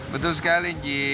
betul sekali nji